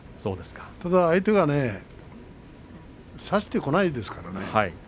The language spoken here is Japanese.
ただ相手が差してこないですからね